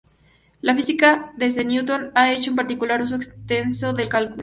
La física desde Newton ha hecho un particular uso extenso del cálculo.